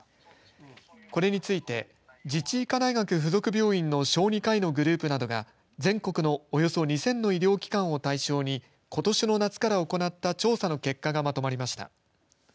これについて自治医科大学附属病院の小児科医のグループなどが全国のおよそ２０００の医療機関を対象にことしの夏から行った調査の結果がまとまりました。